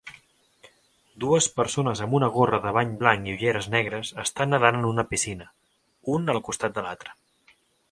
Dues persones amb una gorra de bany blanc i ulleres negres estan nedant en una piscina, un al costat de l'altre